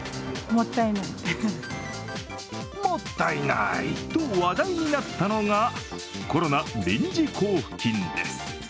もったいないと話題になったのが、コロナ臨時交付金です。